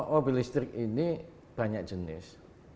mobil listrik ini banyak jenis